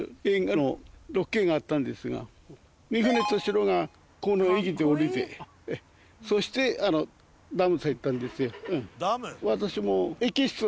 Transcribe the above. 三船敏郎がこの駅で降りてそしてダムさ行ったんですよ。